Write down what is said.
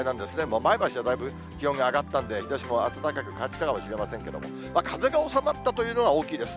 前橋はだいぶ気温が上がったんで、日ざしも暖かく感じたかもしれませんけども、風が収まったというのは大きいです。